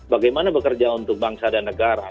bagaimana bekerja untuk bangsa dan negara